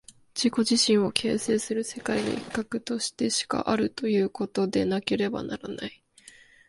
自己自身を形成する世界の一角としてしかあるということでなければならない。